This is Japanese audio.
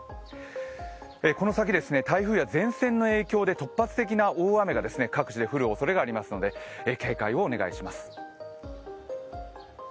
この先、台風や前線の影響で突発的大雨が各地で降るおそれがありますので警戒をお願いします。